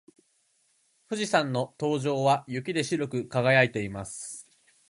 富士山の頂上は雪で白く輝いています。